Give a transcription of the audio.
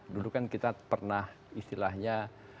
dulu kan kita pernah istilahnya